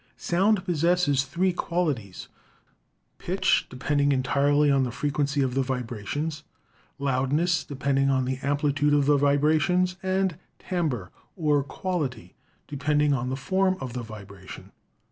Sound pos sesses three qualities : pitch, depending entirely on the frequency of the vibrations ; loudness, depending on the amplitude of the vibrations; and timbre, or quality, de pending on the form of the vibration.